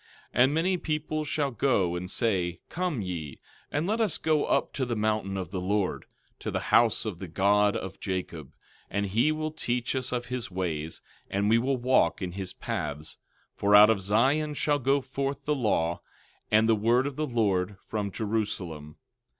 12:3 And many people shall go and say, Come ye, and let us go up to the mountain of the Lord, to the house of the God of Jacob; and he will teach us of his ways, and we will walk in his paths; for out of Zion shall go forth the law, and the word of the Lord from Jerusalem.